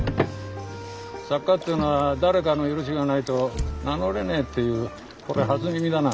作家っていうのは誰かの許しがないと名乗れねえっていうこりゃ初耳だな。